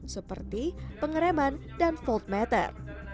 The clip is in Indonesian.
seperti pengereman dan voltmeter